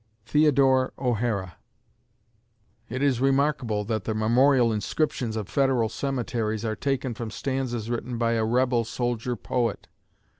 THEODORE O'HARA [It is remarkable that the memorial inscriptions of Federal cemeteries are taken from stanzas written by a "rebel" soldier poet.